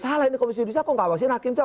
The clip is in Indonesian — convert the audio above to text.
salah ini komisi judisial kok ngawasin hakim